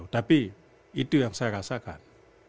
tapi itu yang saya rasakan